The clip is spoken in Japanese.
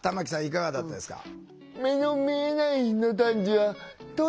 いかがだったですか？